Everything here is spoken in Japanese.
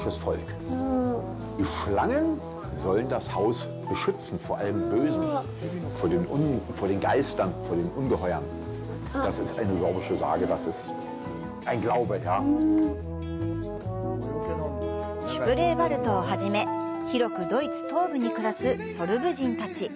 シュプレーヴァルトをはじめ広くドイツ東部に暮らすソルブ人たち。